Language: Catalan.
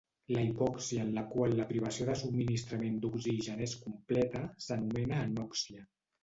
La hipòxia en la qual la privació de subministrament d'oxigen és completa s'anomena anòxia.